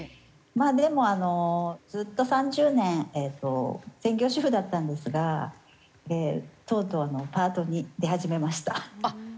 でもずっと３０年専業主婦だったんですがとうとうあのパートに出始めました。